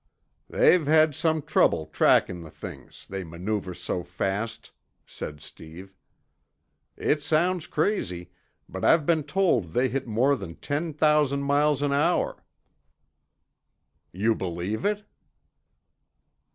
"They've had some trouble tracking the things, they maneuver so fast," said Steve. "It sounds crazy, but I've been told they hit more than ten thousand miles an hour." "You believe it.?"